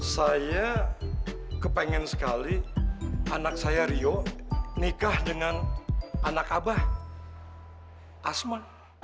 saya kepengen sekali anak saya rio nikah dengan anak abah asma